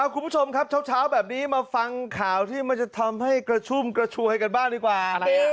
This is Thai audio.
คุณผู้ชมครับเช้าแบบนี้มาฟังข่าวที่มันจะทำให้กระชุ่มกระชวยกันบ้างดีกว่า